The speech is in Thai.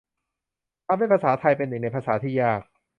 ทำให้ภาษาไทยเป็นหนึ่งในภาษาที่ยาก